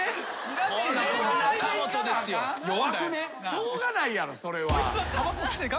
しょうがないやろそれは。